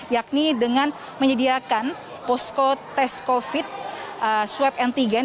yakni dengan menyediakan posko tes covid swab antigen